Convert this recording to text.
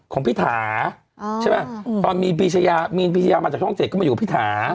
ของพี่ถาอ๋อใช่ไหมอืมตอนมีพีชยามีพีชยามาจากช่องเจ็ดก็มาอยู่กับพี่ถา